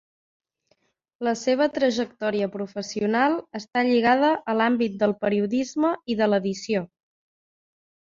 La seva trajectòria professional està lligada a l'àmbit del periodisme i de l'edició.